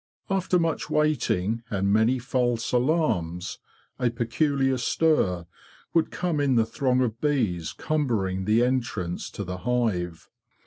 After much waiting and many false alarms, a peculiar stir would come in the throng of bees cumbering the entrance to the hive.